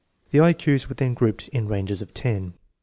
The I Q's were then grouped in ranges of ten.